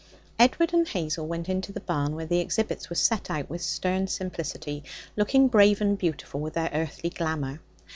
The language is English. Edward and Hazel went into the barn where the exhibits were set out with stern simplicity, looking brave and beautiful with their earthly glamour.